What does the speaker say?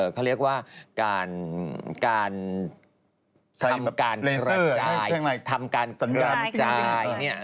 เขาเรียกว่าการทำการกระจาย